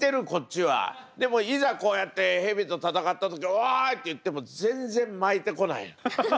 でもいざこうやって蛇と戦った時「おい！」って言っても全然巻いてこない。